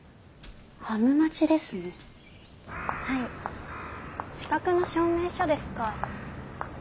はい資格の証明書ですか。